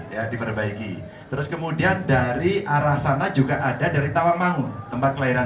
ya diperbaiki terus kemudian dari arah sana juga ada dari tawangmangun tempat kelahiran